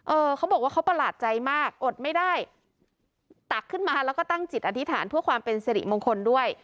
เขาบอกว่าเขาประหลาดใจมากอดไม่ได้ตักขึ้นมาแล้วก็ตั้งจิตอธิษฐานเพื่อความเป็นสิริมงคลด้วย